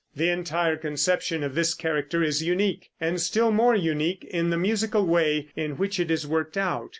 The entire conception of this character is unique, and still more unique in the musical way in which it is worked out.